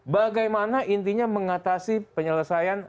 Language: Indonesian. bagaimana intinya mengatasi penyelesaian